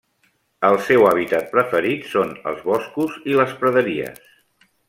El seu hàbitat preferit són els boscos i les praderies.